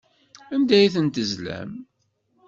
Anda ay ten-tezlam?